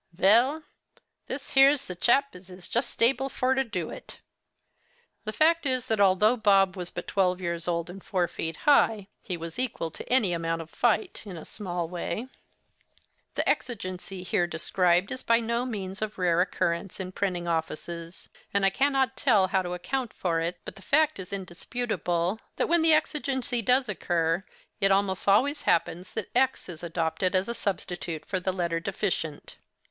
Vell! this here's the chap as is just able for to do it.' The fact is that although Bob was but twelve years old and four feet high, he was equal to any amount of fight, in a small way. The exigency here described is by no means of rare occurrence in printing offices; and I cannot tell how to account for it, but the fact is indisputable, that when the exigency does occur, it almost always happens that x is adopted as a substitute for the letter deficient.